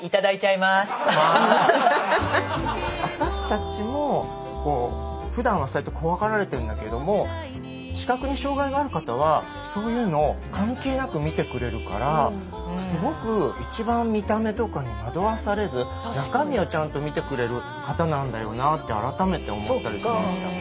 私たちもふだんはそうやって怖がられてるんだけれども視覚に障害がある方はそういうの関係なく見てくれるからすごく一番見た目とかに惑わされず中身をちゃんと見てくれる方なんだよなって改めて思ったりしましたね。